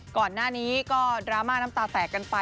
ก่อนหน้านี้ก็ดราม่าน้ำตาแตกกันไป